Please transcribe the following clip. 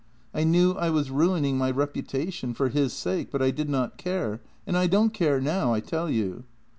I knew I was ruining my reputa tion for his sake, but I did not care, and I don't care now, I tell you.